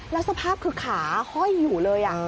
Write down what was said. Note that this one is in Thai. แล้วสภาพคือขาห้อยอยู่เลย